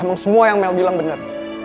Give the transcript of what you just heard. emang semua yang mel bilang benar